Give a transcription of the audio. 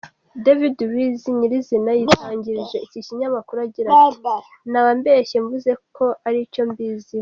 David Luiz nyirizina yitangarije iki kinyamakuru agira ati :« Naba mbeshye mvuze ko aricyo mbiziho .